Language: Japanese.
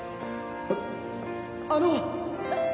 あの！